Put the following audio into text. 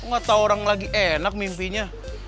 gak tau orang lagi enak mimpinya